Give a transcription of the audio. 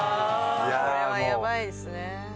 これはやばいですね。